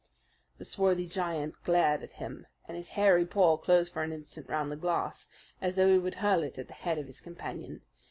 The swarthy giant glared at him, and his hairy paw closed for an instant round the glass as though he would hurl it at the head of his companion.